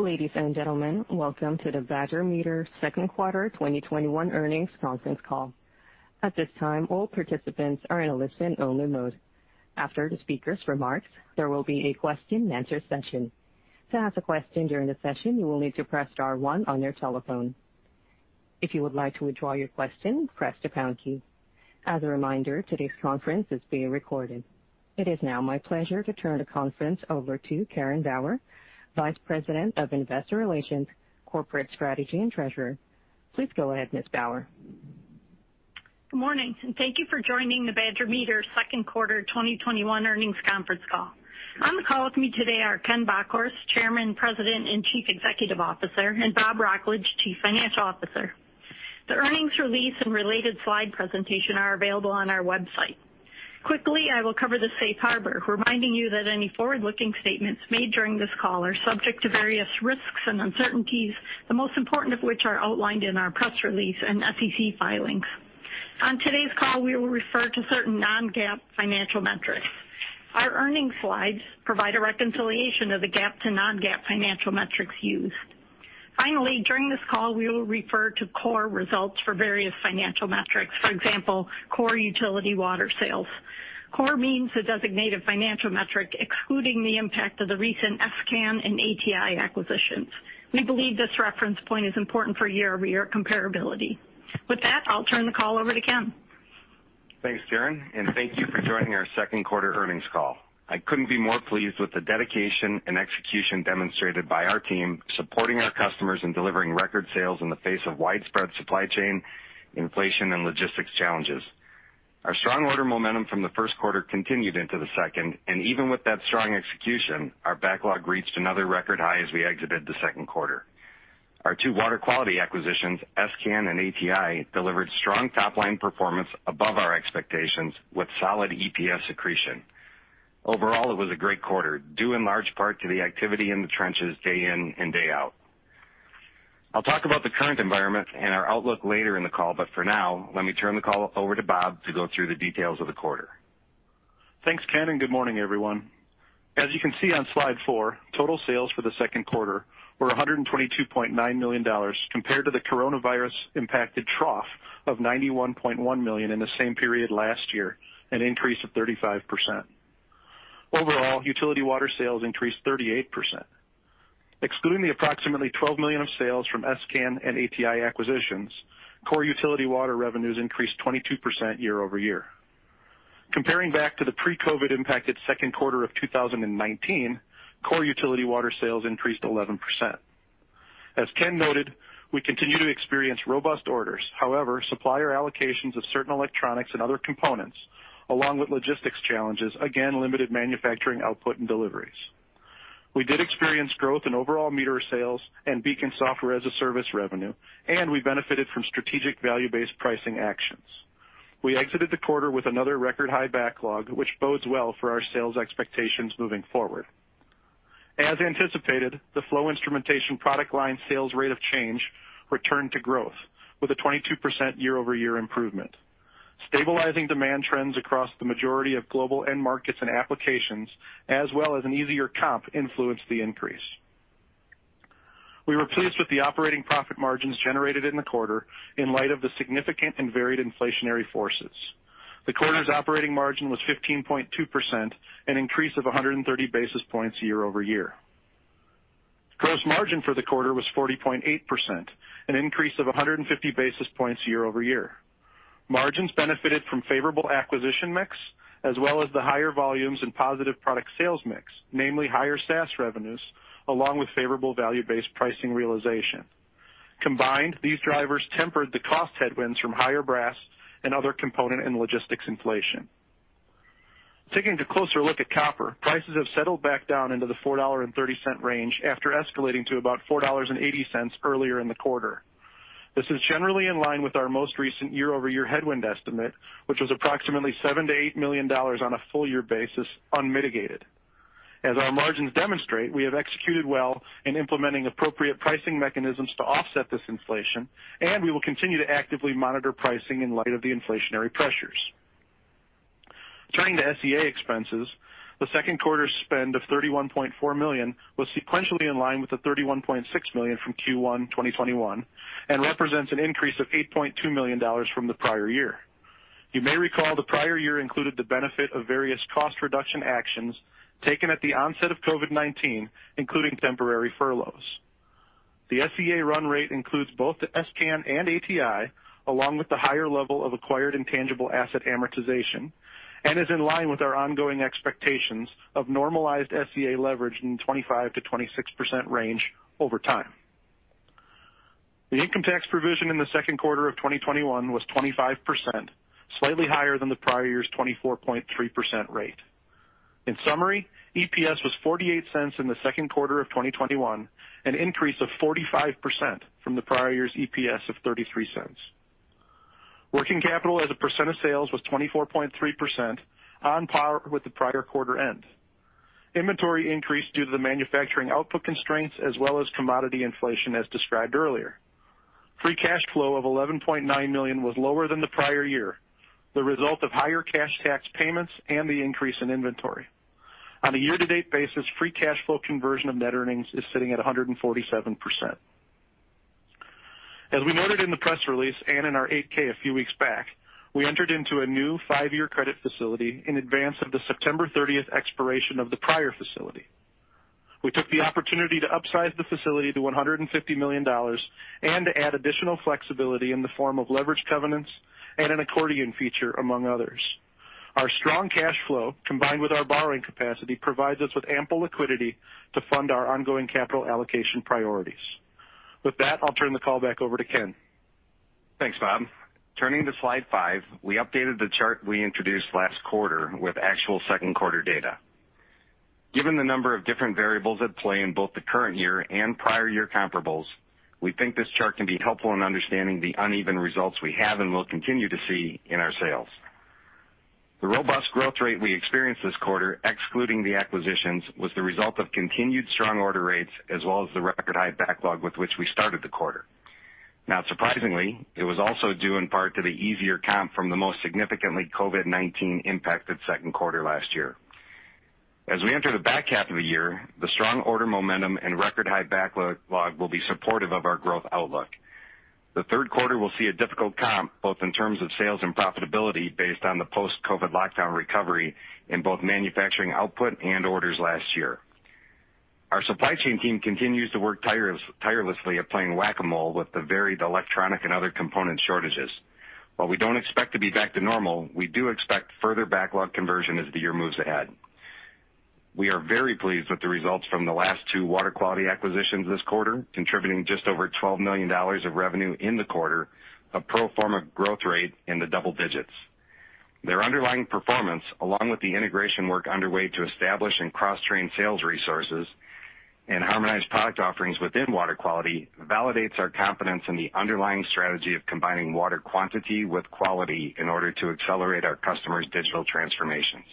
Ladies and gentlemen, welcome to the Badger Meter second quarter 2021 earnings conference call. At this time, all participants are in a listen-only mode. After the speakers' remarks, there will be a question and answer session. To ask a question during the session, you will need to press star one on your telephone. If you would like to withdraw your question, press the pound key. As a reminder, today's conference is being recorded. It is now my pleasure to turn the conference over to Karen Bauer, Vice President of Investor Relations, Corporate Strategy, and Treasurer. Please go ahead, Ms. Bauer. Good morning, and thank you for joining the Badger Meter second quarter 2021 earnings conference call. On the call with me today are Ken Bockhorst, Chairman, President, and Chief Executive Officer, and Bob Wrocklage, Chief Financial Officer. The earnings release and related slide presentation are available on our website. Quickly, I will cover the safe harbor, reminding you that any forward-looking statements made during this call are subject to various risks and uncertainties, the most important of which are outlined in our press release and SEC filings. On today's call, we will refer to certain non-GAAP financial metrics. Our earnings slides provide a reconciliation of the GAAP to non-GAAP financial metrics used. Finally, during this call, we will refer to core results for various financial metrics. For example, core utility water sales. Core means the designated financial metric, excluding the impact of the recent s::can and ATi acquisitions. We believe this reference point is important for year-over-year comparability. With that, I'll turn the call over to Ken. Thanks, Karen, and thank you for joining our second quarter earnings call. I couldn't be more pleased with the dedication and execution demonstrated by our team, supporting our customers and delivering record sales in the face of widespread supply chain, inflation, and logistics challenges. Our strong order momentum from the first quarter continued into the second, and even with that strong execution, our backlog reached another record high as we exited the second quarter. Our two water quality acquisitions, s::can and ATi, delivered strong top-line performance above our expectations, with solid EPS accretion. Overall, it was a great quarter, due in large part to the activity in the trenches day in and day out. I'll talk about the current environment and our outlook later in the call, but for now, let me turn the call over to Bob to go through the details of the quarter. Thanks, Ken, and good morning, everyone. As you can see on slide four, total sales for the second quarter were $122.9 million, compared to the COVID-19 impacted trough of $91.1 million in the same period last year, an increase of 35%. Overall, utility water sales increased 38%. Excluding the approximately $12 million of sales from s::can and ATi acquisitions, core utility water revenues increased 22% year-over-year. Comparing back to the pre-COVID-19 impacted second quarter of 2019, core utility water sales increased 11%. As Ken noted, we continue to experience robust orders. However, supplier allocations of certain electronics and other components, along with logistics challenges, again limited manufacturing output and deliveries. We did experience growth in overall meter sales and Beacon Software as a Service revenue, and we benefited from strategic value-based pricing actions. We exited the quarter with another record high backlog, which bodes well for our sales expectations moving forward. As anticipated, the flow instrumentation product line sales rate of change returned to growth with a 22% year-over-year improvement. Stabilizing demand trends across the majority of global end markets and applications, as well as an easier comp, influenced the increase. We were pleased with the operating profit margins generated in the quarter in light of the significant and varied inflationary forces. The quarter's operating margin was 15.2%, an increase of 130 basis points year-over-year. Gross margin for the quarter was 40.8%, an increase of 150 basis points year-over-year. Margins benefited from favorable acquisition mix, as well as the higher volumes and positive product sales mix, namely higher SaaS revenues, along with favorable value-based pricing realization. Combined, these drivers tempered the cost headwinds from higher brass and other component and logistics inflation. Taking a closer look at copper, prices have settled back down into the $4.30 range after escalating to about $4.80 earlier in the quarter. This is generally in line with our most recent year-over-year headwind estimate, which was approximately $7 million-$8 million on a full year basis, unmitigated. As our margins demonstrate, we have executed well in implementing appropriate pricing mechanisms to offset this inflation, and we will continue to actively monitor pricing in light of the inflationary pressures. Turning to SG&A expenses, the second quarter spend of $31.4 million was sequentially in line with the $31.6 million from Q1 2021 and represents an increase of $8.2 million from the prior year. You may recall the prior year included the benefit of various cost reduction actions taken at the onset of COVID-19, including temporary furloughs. The SG&A run rate includes both the s::can and ATi, along with the higher level of acquired intangible asset amortization and is in line with our ongoing expectations of normalized SG&A leverage in 25%-26% range over time. The income tax provision in the second quarter of 2021 was 25%, slightly higher than the prior year's 24.3% rate. In summary, EPS was $0.48 in the second quarter of 2021, an increase of 45% from the prior year's EPS of $0.33. Working capital as a percent of sales was 24.3%, on par with the prior quarter end. Inventory increased due to the manufacturing output constraints as well as commodity inflation, as described earlier. Free cash flow of $11.9 million was lower than the prior year, the result of higher cash tax payments and the increase in inventory. On a year-to-date basis, free cash flow conversion of net earnings is sitting at 147%. As we noted in the press release, and in our 8-K a few weeks back, we entered into a new five year credit facility in advance of the September 30th expiration of the prior facility. We took the opportunity to upsize the facility to $150 million and add additional flexibility in the form of leverage covenants and an accordion feature, among others. Our strong cash flow, combined with our borrowing capacity, provides us with ample liquidity to fund our ongoing capital allocation priorities. With that, I'll turn the call back over to Ken. Thanks, Bob. Turning to slide five, we updated the chart we introduced last quarter with actual second quarter data. Given the number of different variables at play in both the current year and prior year comparables, we think this chart can be helpful in understanding the uneven results we have and will continue to see in our sales. The robust growth rate we experienced this quarter, excluding the acquisitions, was the result of continued strong order rates as well as the record high backlog with which we started the quarter. Not surprisingly, it was also due in part to the easier comp from the most significantly COVID-19 impacted second quarter last year. As we enter the back half of the year, the strong order momentum and record high backlog will be supportive of our growth outlook. The third quarter will see a difficult comp, both in terms of sales and profitability, based on the post-COVID-19 lockdown recovery in both manufacturing output and orders last year. Our supply chain team continues to work tirelessly at playing Whac-A-Mole with the varied electronic and other component shortages. While we don't expect to be back to normal, we do expect further backlog conversion as the year moves ahead. We are very pleased with the results from the last two Water Quality acquisitions this quarter, contributing just over $12 million of revenue in the quarter, a pro forma growth rate in the double digits. Their underlying performance, along with the integration work underway to establish and cross-train sales resources and harmonize product offerings within Water Quality, validates our confidence in the underlying strategy of combining water quantity with quality in order to accelerate our customers' digital transformations.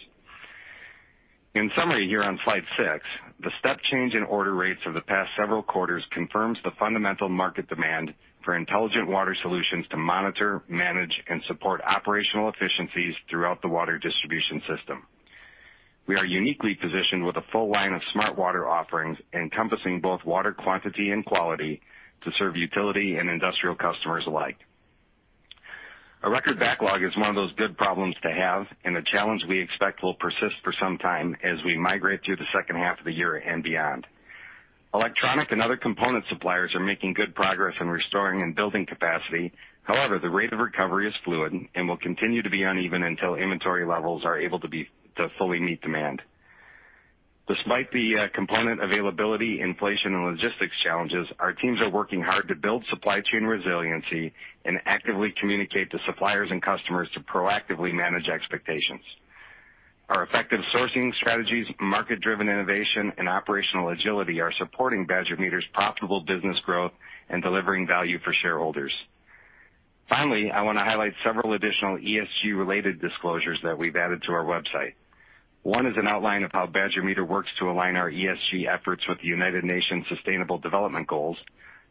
In summary, here on slide six, the step change in order rates of the past several quarters confirms the fundamental market demand for intelligent water solutions to monitor, manage, and support operational efficiencies throughout the water distribution system. We are uniquely positioned with a full line of smart water offerings, encompassing both water quantity and quality, to serve utility and industrial customers alike. A record backlog is one of those good problems to have, and a challenge we expect will persist for some time as we migrate through the second half of the year and beyond. Electronic and other component suppliers are making good progress in restoring and building capacity. However, the rate of recovery is fluid and will continue to be uneven until inventory levels are able to fully meet demand. Despite the component availability, inflation, and logistics challenges, our teams are working hard to build supply chain resiliency and actively communicate to suppliers and customers to proactively manage expectations. Our effective sourcing strategies, market-driven innovation, and operational agility are supporting Badger Meter's profitable business growth and delivering value for shareholders. Finally, I want to highlight several additional ESG-related disclosures that we've added to our website. One is an outline of how Badger Meter works to align our ESG efforts with the United Nations Sustainable Development Goals,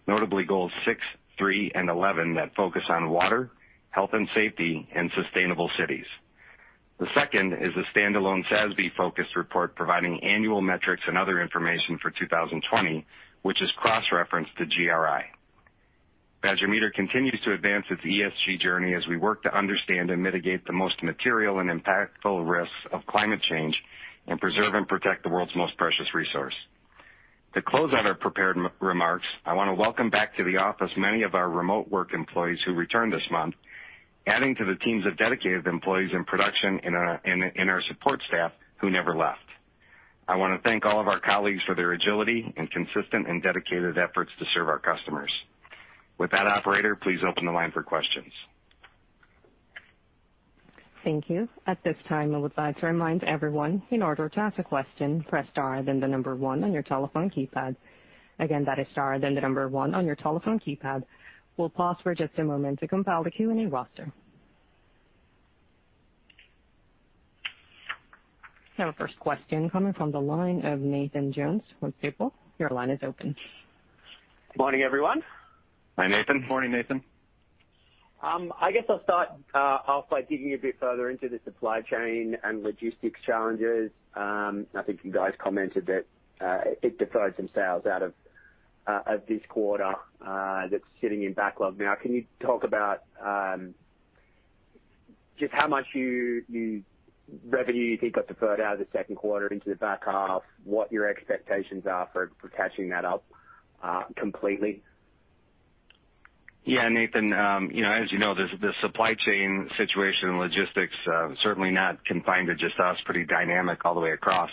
notably Goals 6, 3, and 11 that focus on water, health and safety, and sustainable cities. The second is a standalone SASB-focused report providing annual metrics and other information for 2020, which is cross-referenced to GRI. Badger Meter continues to advance its ESG journey as we work to understand and mitigate the most material and impactful risks of climate change and preserve and protect the world's most precious resource. To close out our prepared remarks, I want to welcome back to the office many of our remote work employees who returned this month, adding to the teams of dedicated employees in production and our support staff who never left. I want to thank all of our colleagues for their agility and consistent and dedicated efforts to serve our customers. With that, operator, please open the line for questions. Thank you. At this time, I would like to remind everyone, in order to ask a question, press star, then the number one on your telephone keypad. Again, that is star, then the number one on your telephone keypad. We'll pause for just a moment to compile the Q&A roster. Our first question coming from the line of Nathan Jones with Stifel. Your line is open. Morning, everyone. Hi, Nathan. Morning, Nathan. I guess I'll start off by digging a bit further into the supply chain and logistics challenges. I think you guys commented that it deferred some sales out of this quarter that's sitting in backlog now. Can you talk about just how much revenue you think got deferred out of the second quarter into the back half, what your expectations are for catching that up completely? Yeah, Nathan, as you know, the supply chain situation and logistics, certainly not confined to just us, pretty dynamic all the way across.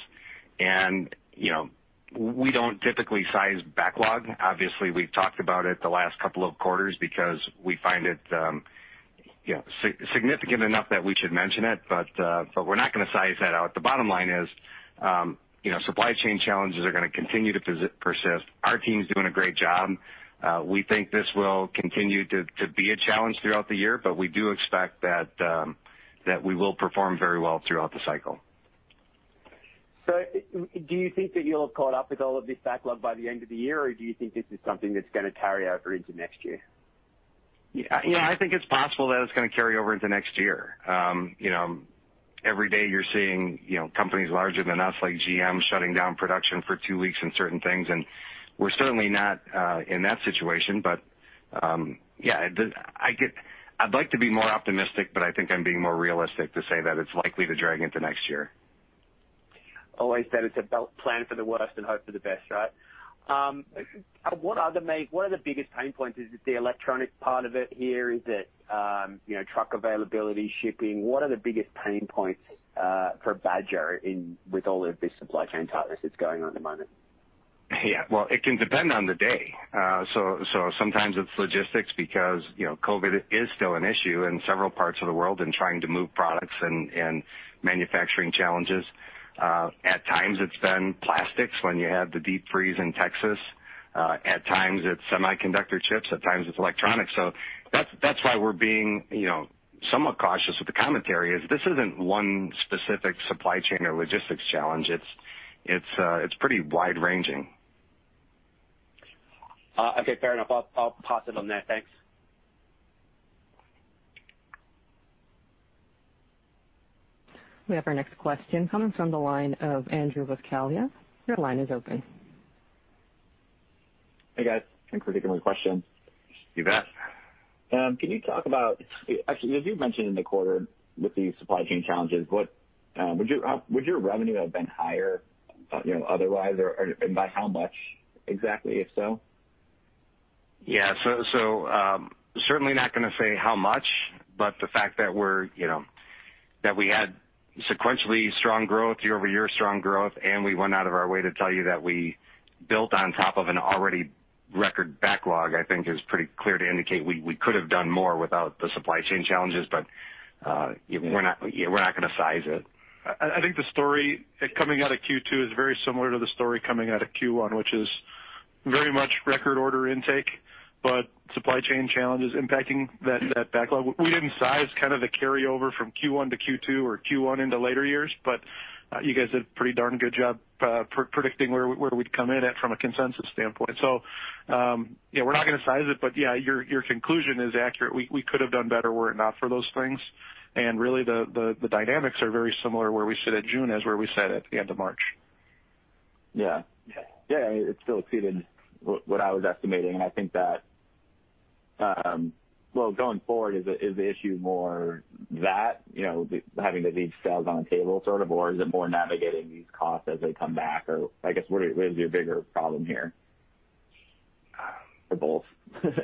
We don't typically size backlog. Obviously, we've talked about it the last couple of quarters because we find it significant enough that we should mention it. We're not going to size that out. The bottom line is, supply chain challenges are going to continue to persist. Our team's doing a great job. We think this will continue to be a challenge throughout the year. We do expect that we will perform very well throughout the cycle. Do you think that you'll have caught up with all of this backlog by the end of the year? Do you think this is something that's going to carry over into next year? Yeah. I think it's possible that it's going to carry over into next year. Every day you're seeing companies larger than us, like GM, shutting down production for two weeks and certain things, and we're certainly not in that situation. Yeah, I'd like to be more optimistic, but I think I'm being more realistic to say that it's likely to drag into next year. Always said it's about plan for the worst and hope for the best, right? What are the biggest pain points? Is it the electronic part of it here? Is it truck availability, shipping? What are the biggest pain points for Badger with all of this supply chain tightness that's going on at the moment? Yeah. Well, it can depend on the day. Sometimes it's logistics because COVID is still an issue in several parts of the world and trying to move products and manufacturing challenges. At times it's been plastics when you had the deep freeze in Texas. At times it's semiconductor chips. At times it's electronics. That's why we're being somewhat cautious with the commentary, is this isn't one specific supply chain or logistics challenge. It's pretty wide-ranging. Okay, fair enough. I'll pause it on that. Thanks. We have our next question coming from the line of Andrew Buscaglia. Your line is open. Hey, guys, thanks for taking my question. You bet. Actually, as you've mentioned in the quarter with the supply chain challenges, would your revenue have been higher otherwise, and by how much exactly, if so? Certainly not going to say how much, but the fact that we had sequentially strong growth, year-over-year strong growth, and we went out of our way to tell you that we built on top of an already record backlog, I think, is pretty clear to indicate we could have done more without the supply chain challenges. We're not going to size it. I think the story coming out of Q2 is very similar to the story coming out of Q1, which is very much record order intake, but supply chain challenges impacting that backlog. We didn't size kind of the carryover from Q1 to Q2 or Q1 into later years, but you guys did a pretty darn good job predicting where we'd come in at from a consensus standpoint. Yeah, we're not going to size it, but yeah, your conclusion is accurate. We could have done better were it not for those things. Really, the dynamics are very similar where we sit at June as where we sat at the end of March. Yeah. It still exceeded what I was estimating. I think that going forward, is the issue more that, having to leave sales on the table sort of? Is it more navigating these costs as they come back? I guess, what is your bigger problem here? Both? I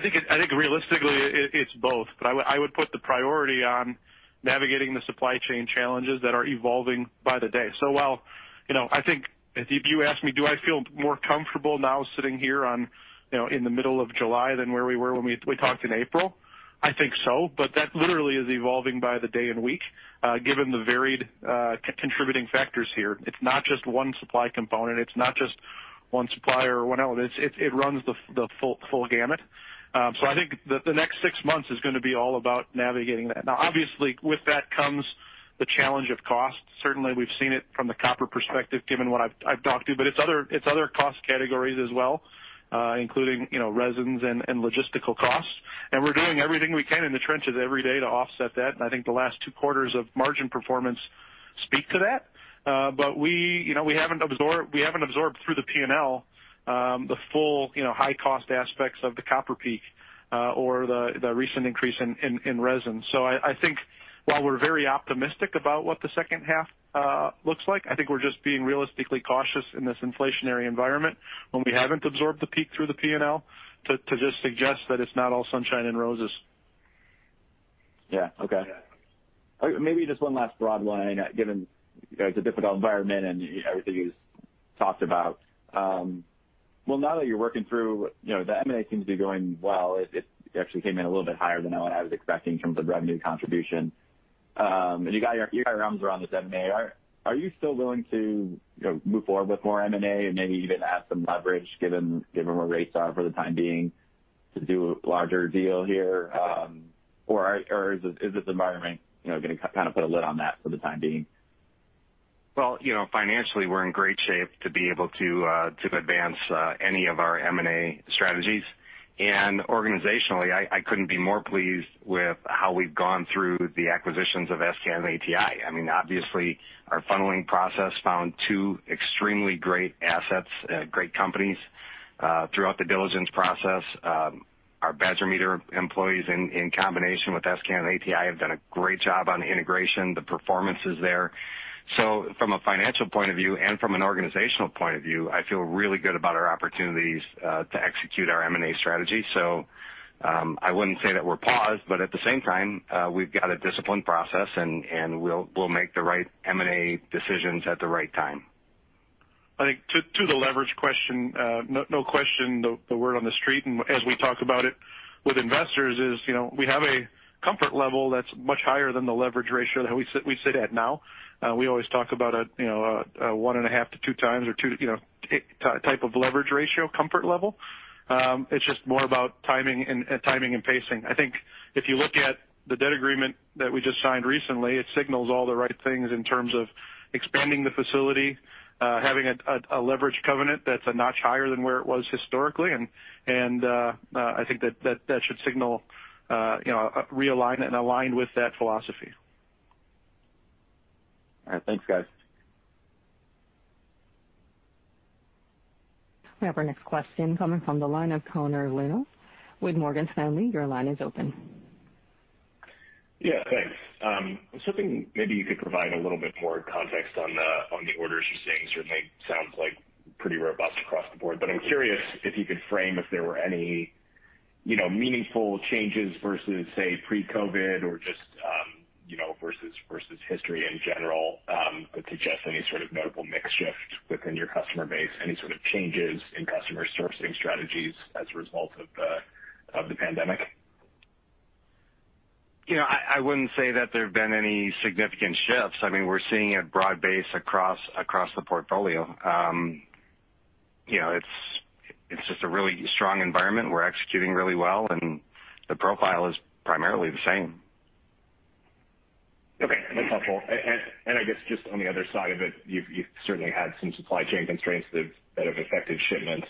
think realistically it's both, but I would put the priority on navigating the supply chain challenges that are evolving by the day. While I think if you ask me, do I feel more comfortable now sitting here in the middle of July than where we were when we talked in April? I think so. That literally is evolving by the day and week, given the varied contributing factors here. It's not just one supply component. It's not just one supplier or one element. It runs the full gamut. I think the next six months is going to be all about navigating that. Obviously, with that comes the challenge of cost. We've seen it from the copper perspective, given what I've talked to, but it's other cost categories as well, including resins and logistical costs. We're doing everything we can in the trenches every day to offset that. I think the last two quarters of margin performance speak to that. We haven't absorbed through the P&L the full high cost aspects of the copper peak or the recent increase in resin. I think while we're very optimistic about what the second half looks like, I think we're just being realistically cautious in this inflationary environment when we haven't absorbed the peak through the P&L to just suggest that it's not all sunshine and roses. Yeah. Okay. Maybe just one last broad line, given it's a difficult environment and everything you've talked about. Well, now that you're working through, the M&A seems to be going well. It actually came in a little bit higher than what I was expecting in terms of revenue contribution. You got your arms around this M&A. Are you still willing to move forward with more M&A and maybe even add some leverage given where rates are for the time being to do a larger deal here? Is this environment going to kind of put a lid on that for the time being? Well, financially, we're in great shape to be able to advance any of our M&A strategies. Organizationally, I couldn't be more pleased with how we've gone through the acquisitions of s::can and ATi. Obviously, our funneling process found two extremely great assets, great companies throughout the diligence process. Our Badger Meter employees, in combination with s::can and ATi, have done a great job on integration. The performance is there. From a financial point of view and from an organizational point of view, I feel really good about our opportunities to execute our M&A strategy. I wouldn't say that we're paused, but at the same time, we've got a disciplined process, and we'll make the right M&A decisions at the right time. I think to the leverage question, no question the word on the street, and as we talk about it with investors, is we have a comfort level that's much higher than the leverage ratio that we sit at now. We always talk about a 1.5x-2x or two type of leverage ratio comfort level. It's just more about timing and pacing. I think if you look at the debt agreement that we just signed recently, it signals all the right things in terms of expanding the facility, having a leverage covenant that's a notch higher than where it was historically, and I think that should signal realign and align with that philosophy. All right. Thanks, guys. We have our next question coming from the line of Connor Lynagh with Morgan Stanley. Your line is open. Yeah, thanks. I was hoping maybe you could provide a little bit more context on the orders you're seeing. Certainly sounds like pretty robust across the board. I'm curious if you could frame if there were any meaningful changes versus, say, pre-COVID, or just versus history in general, that suggest any sort of notable mix shift within your customer base, any sort of changes in customer servicing strategies as a result of the pandemic. I wouldn't say that there have been any significant shifts. We're seeing a broad base across the portfolio. It's just a really strong environment. We're executing really well, and the profile is primarily the same. Okay. That's helpful. I guess just on the other side of it, you've certainly had some supply chain constraints that have affected shipments.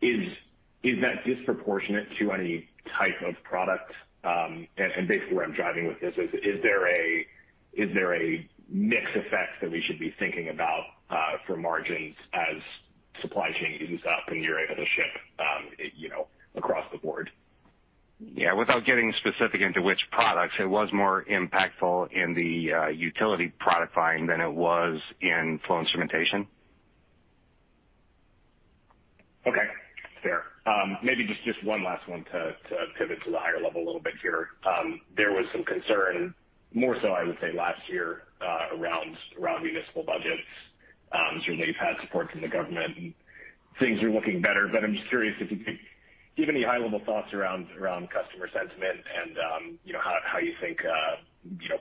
Is that disproportionate to any type of product? Basically, where I'm driving with this is there a mix effect that we should be thinking about for margins as supply chain eases up and you're able to ship across the board? Yeah. Without getting specific into which products, it was more impactful in the utility product line than it was in flow instrumentation. Okay. Fair. Maybe just one last one to pivot to the higher level a little bit here. There was some concern, more so I would say last year, around municipal budgets. Certainly, you've had support from the government and things are looking better, but I'm just curious if you could give any high-level thoughts around customer sentiment and how you think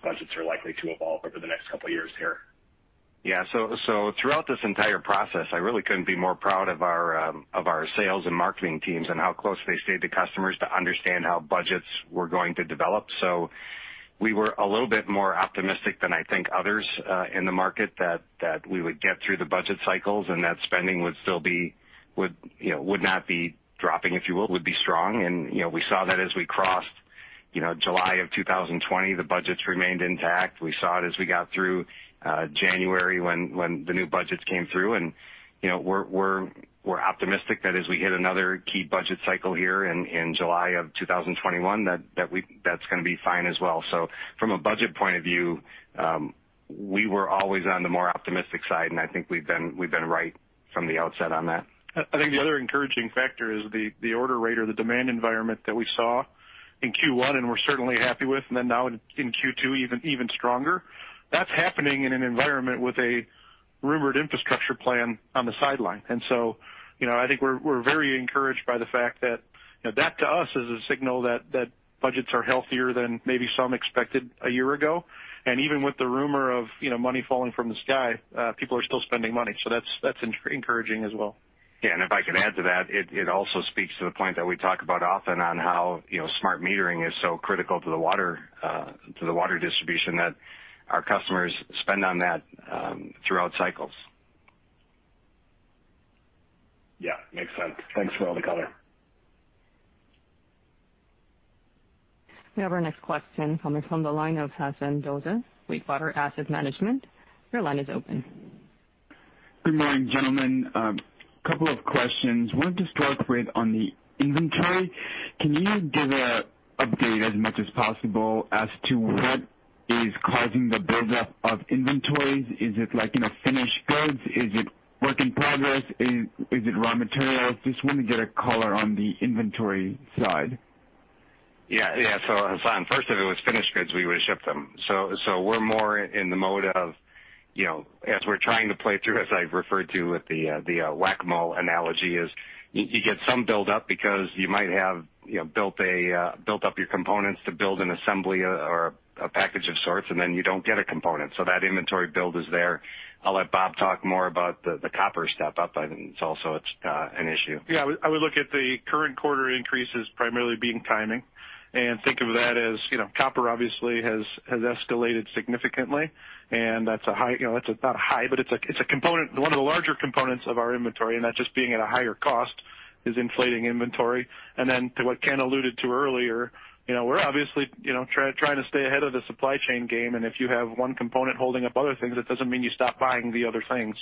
budgets are likely to evolve over the next couple of years here. Yeah. Throughout this entire process, I really couldn't be more proud of our sales and marketing teams and how close they stayed to customers to understand how budgets were going to develop. We were a little bit more optimistic than I think others in the market that we would get through the budget cycles and that spending would not be dropping, if you will. Would be strong. We saw that as we crossed July of 2020, the budgets remained intact. We saw it as we got through January when the new budgets came through. We're optimistic that as we hit another key budget cycle here in July of 2021, that's going to be fine as well. From a budget point of view, we were always on the more optimistic side, and I think we've been right from the outset on that. I think the other encouraging factor is the order rate or the demand environment that we saw in Q1, and we're certainly happy with, and then now in Q2, even stronger. That's happening in an environment with a rumored infrastructure plan on the sideline. I think we're very encouraged by the fact that that to us is a signal that budgets are healthier than maybe some expected a year ago. Even with the rumor of money falling from the sky, people are still spending money. That's encouraging as well. Yeah. If I can add to that, it also speaks to the point that we talk about often on how smart metering is so critical to the water distribution that our customers spend on that throughout cycles. Yeah, makes sense. Thanks for all the color. We have our next question coming from the line of Hasan Doza with Water Asset Management. Your line is open. Good morning, gentlemen. A couple of questions. I wanted to start with on the inventory. Can you give an update as much as possible as to what is causing the buildup of inventories? Is it like in a finished goods? Is it work in progress? Is it raw materials? I just wanted to get a color on the inventory side. Yeah. Hasan, first, if it was finished goods, we would have shipped them. We're more in the mode of as we're trying to play through, as I've referred to with the Whac-A-Mole analogy, is you get some buildup because you might have built up your components to build an assembly or a package of sorts, and then you don't get a component. That inventory build is there. I'll let Bob talk more about the copper step-up. I think it's also an issue. I would look at the current quarter increase as primarily being timing, and think of that as copper obviously has escalated significantly, and that's a high-- It's not a high, but it's one of the larger components of our inventory, and that just being at a higher cost is inflating inventory. Then to what Ken alluded to earlier, we're obviously trying to stay ahead of the supply chain game, and if you have one component holding up other things, it doesn't mean you stop buying the other things.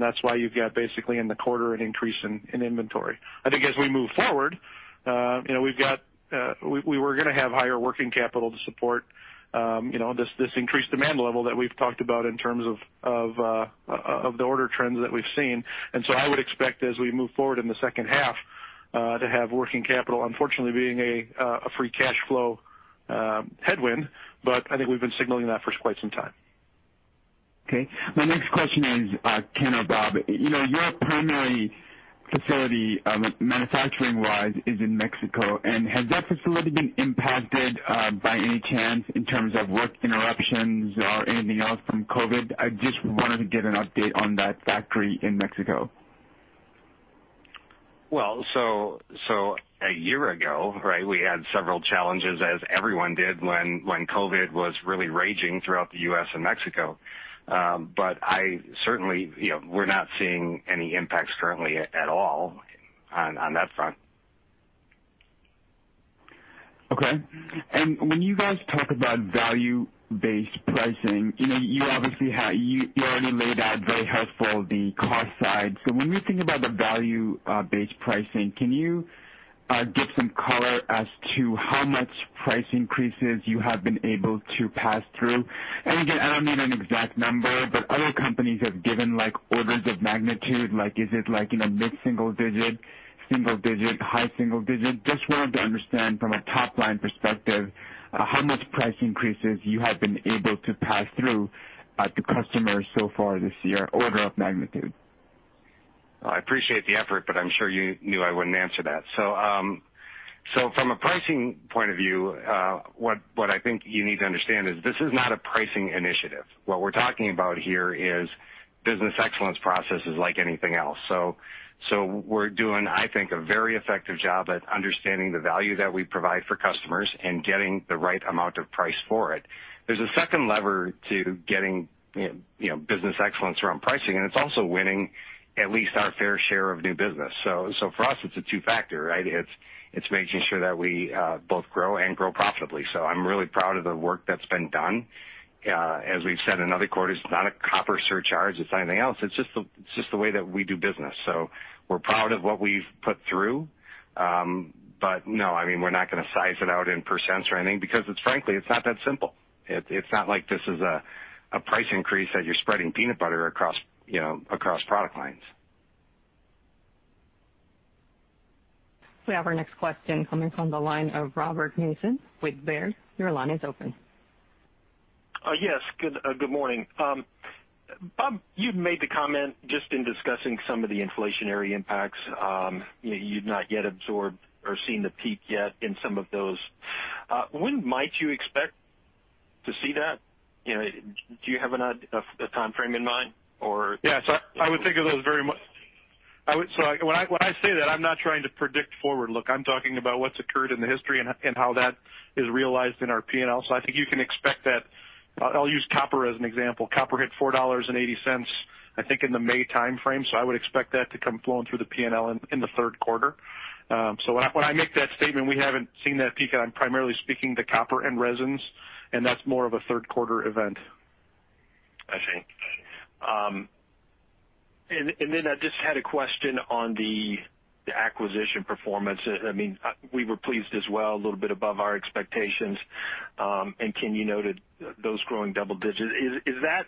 That's why you've got basically in the quarter an increase in inventory. I think as we move forward, we're going to have higher working capital to support this increased demand level that we've talked about in terms of the order trends that we've seen. I would expect as we move forward in the second half to have working capital unfortunately being a free cash flow headwind. I think we've been signaling that for quite some time. Okay. My next question is, Ken or Bob, your primary facility manufacturing-wise is in Mexico. Has that facility been impacted by any chance in terms of work interruptions or anything else from COVID-19? I just wanted to get an update on that factory in Mexico. Well, a year ago, right, we had several challenges, as everyone did, when COVID was really raging throughout the U.S. and Mexico. Certainly, we're not seeing any impacts currently at all on that front. Okay. When you guys talk about value-based pricing, you already laid out very helpful the cost side. When we think about the value-based pricing, can you give some color as to how much price increases you have been able to pass through? Again, I don't need an exact number, but other companies have given orders of magnitude, like is it mid-single digit, single digit, high single digit? Just wanted to understand from a top-line perspective, how much price increases you have been able to pass through to customers so far this year, order of magnitude. I appreciate the effort, but I'm sure you knew I wouldn't answer that. From a pricing point of view, what I think you need to understand is this is not a pricing initiative. What we're talking about here is business excellence processes like anything else. We're doing, I think, a very effective job at understanding the value that we provide for customers and getting the right amount of price for it. There's a second lever to getting business excellence around pricing, and it's also winning at least our fair share of new business. For us, it's a two-factor, right? It's making sure that we both grow and grow profitably. I'm really proud of the work that's been done. As we've said in other quarters, it's not a copper surcharge, it's not anything else. It's just the way that we do business. We're proud of what we've put through. No, we're not going to size it out in % or anything because, frankly, it's not that simple. It's not like this is a price increase that you're spreading peanut butter across product lines. We have our next question coming from the line of Robert Mason with Baird. Your line is open. Yes. Good morning. Bob, you've made the comment, just in discussing some of the inflationary impacts, you've not yet absorbed or seen the peak yet in some of those. When might you expect to see that? Do you have a timeframe in mind, or? Yes. When I say that, I'm not trying to predict forward, look, I'm talking about what's occurred in the history and how that is realized in our P&L. I think you can expect that. I'll use copper as an example. Copper hit $4.80, I think, in the May timeframe. I would expect that to come flowing through the P&L in the third quarter. When I make that statement, we haven't seen that peak, and I'm primarily speaking to copper and resins, and that's more of a third quarter event. I see. I just had a question on the acquisition performance. We were pleased as well, a little bit above our expectations. Ken, you noted those growing double digits. Is that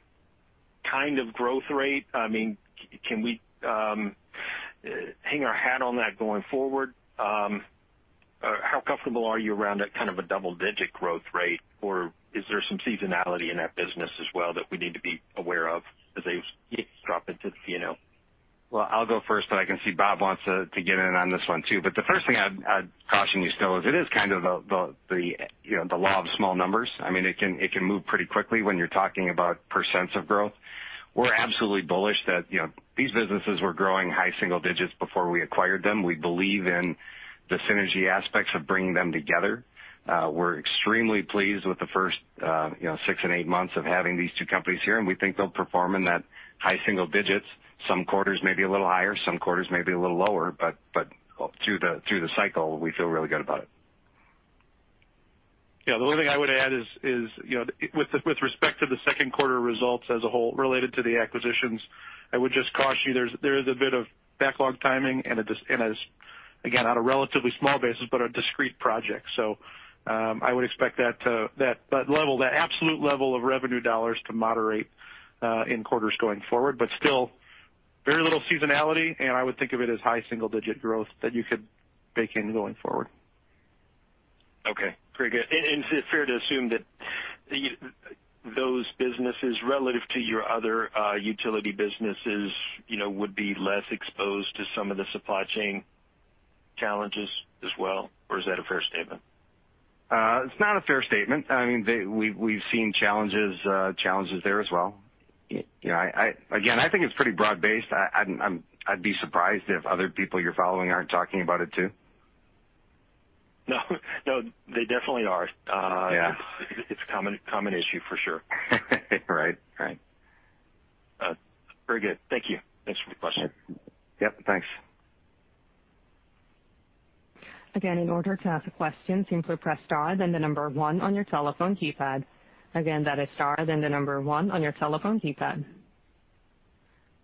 kind of growth rate, can we hang our hat on that going forward? How comfortable are you around that kind of a double-digit growth rate, or is there some seasonality in that business as well that we need to be aware of as they drop into the P&L? Well, I'll go first, but I can see Bob wants to get in on this one, too. The first thing I'd caution you still is it is kind of the law of small numbers. It can move pretty quickly when you're talking about percents of growth. We're absolutely bullish that these businesses were growing high single digits before we acquired them. We believe in the synergy aspects of bringing them together. We're extremely pleased with the first six and eight months of having these two companies here, and we think they'll perform in that high single digits. Some quarters may be a little higher, some quarters may be a little lower, but through the cycle, we feel really good about it. The only thing I would add is with respect to the second quarter results as a whole related to the acquisitions, I would just caution you, there is a bit of backlog timing and, again, on a relatively small basis, but a discrete project. I would expect that absolute level of revenue dollars to moderate in quarters going forward, but still very little seasonality, and I would think of it as high single-digit growth that you could bake in going forward. Okay. Very good. Is it fair to assume that those businesses, relative to your other utility businesses, would be less exposed to some of the supply chain challenges as well, or is that a fair statement? It's not a fair statement. We've seen challenges there as well. Again, I think it's pretty broad-based. I'd be surprised if other people you're following aren't talking about it, too. No. They definitely are. Yeah. It's a common issue, for sure. Right. Very good. Thank you. Thanks for the question. Yep. Thanks.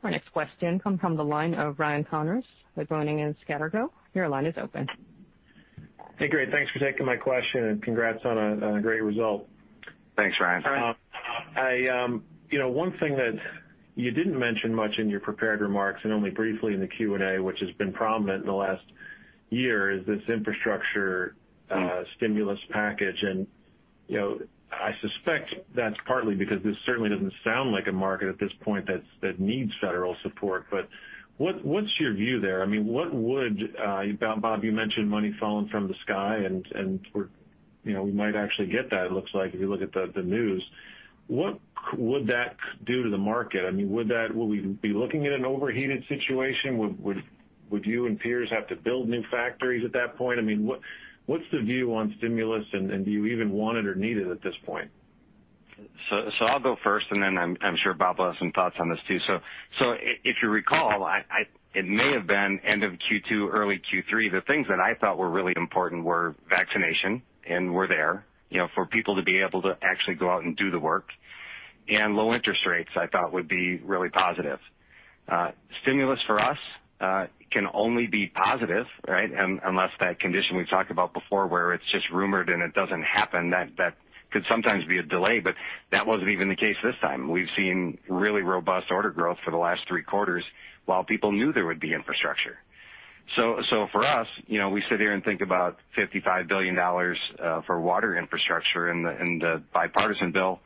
Our next question comes from the line of Ryan Connors with Boenning & Scattergood. Hey, great. Thanks for taking my question. Congrats on a great result. Thanks, Ryan. One thing that you didn't mention much in your prepared remarks, and only briefly in the Q&A, which has been prominent in the last year, is this infrastructure stimulus package. I suspect that's partly because this certainly doesn't sound like a market at this point that needs federal support. What's your view there? Bob, you mentioned money falling from the sky, and we might actually get that, it looks like, if you look at the news. What would that do to the market? Would we be looking at an overheated situation? Would you and peers have to build new factories at that point? What's the view on stimulus, and do you even want it or need it at this point? I'll go first, and then I'm sure Bob will have some thoughts on this too. If you recall, it may have been end of Q2, early Q3, the things that I thought were really important were vaccination, and were there, for people to be able to actually go out and do the work, and low interest rates I thought would be really positive. Stimulus for us can only be positive, right? Unless that condition we talked about before where it's just rumored and it doesn't happen, that could sometimes be a delay, but that wasn't even the case this time. We've seen really robust order growth for the last three quarters while people knew there would be infrastructure. For us, we sit here and think about $55 billion for water infrastructure in the bipartisan bill.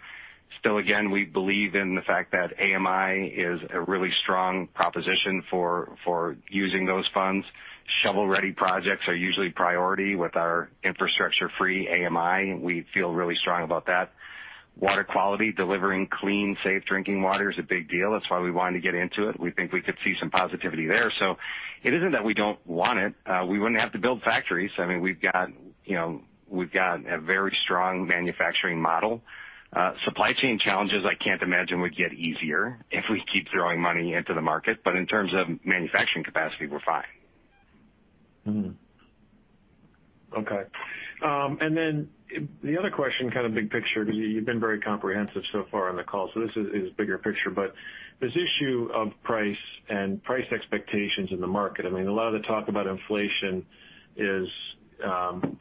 Again, we believe in the fact that AMI is a really strong proposition for using those funds. Shovel-ready projects are usually priority with our infrastructure-free AMI. We feel really strong about that. Water quality, delivering clean, safe drinking water is a big deal. That's why we wanted to get into it. We think we could see some positivity there. It isn't that we don't want it. We wouldn't have to build factories. We've got a very strong manufacturing model. Supply chain challenges I can't imagine would get easier if we keep throwing money into the market. In terms of manufacturing capacity, we're fine. Okay. The other question, kind of big picture, because you've been very comprehensive so far on the call, so this is bigger picture, but this issue of price and price expectations in the market. A lot of the talk about inflation is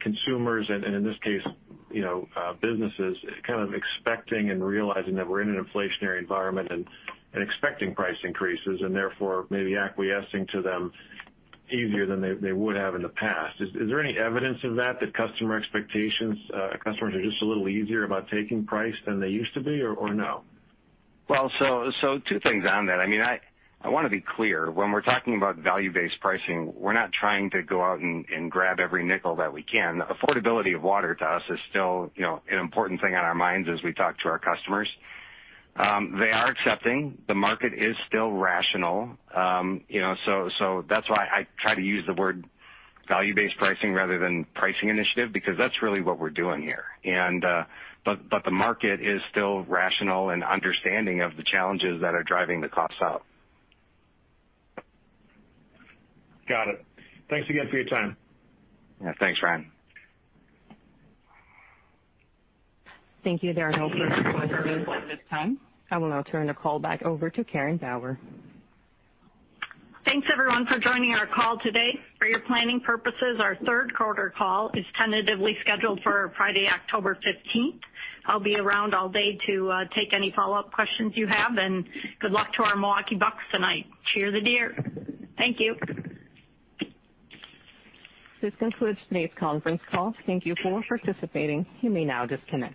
consumers, and in this case, businesses, kind of expecting and realizing that we're in an inflationary environment and expecting price increases and therefore maybe acquiescing to them easier than they would have in the past. Is there any evidence of that customer expectations, customers are just a little easier about taking price than they used to be, or no? Two Things on that. I want to be clear. When we're talking about value-based pricing, we're not trying to go out and grab every nickel that we can. Affordability of water to us is still an important thing on our minds as we talk to our customers. They are accepting. The market is still rational. That's why I try to use the word value-based pricing rather than pricing initiative, because that's really what we're doing here. The market is still rational and understanding of the challenges that are driving the costs up. Got it. Thanks again for your time. Yeah. Thanks, Ryan. Thank you. There are no further questions at this time. I will now turn the call back over to Karen Bauer. Thanks, everyone, for joining our call today. For your planning purposes, our third quarter call is tentatively scheduled for Friday, October 15th. I'll be around all day to take any follow-up questions you have. Good luck to our Milwaukee Bucks tonight. Cheer the deer. Thank you. This concludes today's conference call. Thank you for participating. You may now disconnect.